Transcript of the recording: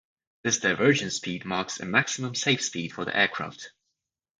This divergence speed marks a maximum safe speed for the aircraft.